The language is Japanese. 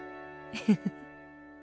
フフフッ。